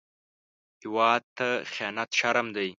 هېواد ته خيانت شرم دی